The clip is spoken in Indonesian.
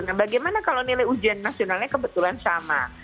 nah bagaimana kalau nilai ujian nasionalnya kebetulan sama